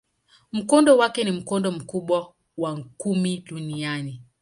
Mkondo wake ni mkondo mkubwa wa kumi duniani.